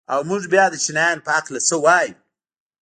او موږ بيا د چينايانو په هکله څه وايو؟